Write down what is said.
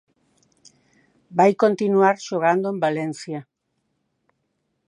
Vai continuar xogando en Valencia.